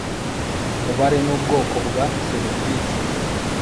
umubare n ubwoko bwa serivisi i